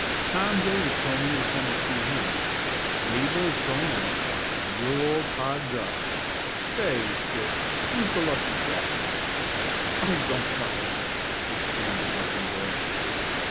Tom Davis told me to come and see him, Mabel is going out, you're all togged up say, sis, who's the lucky chap?" "Oh, don't bother me!" exclaimed the blushing girl.